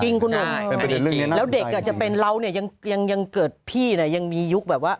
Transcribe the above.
คุณหนุ่มแล้วเด็กจะเป็นเราเนี่ยยังเกิดพี่เนี่ยยังมียุคแบบว่า